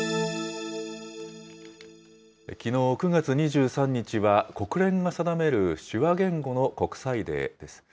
きのう９月２３日は、国連が定める手話言語の国際デーです。